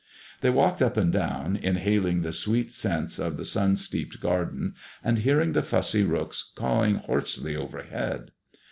They walked up and down, in haling the sweet scents of the sun steeped garden, and hearing the fussy rooks cawing hoarsely overhead.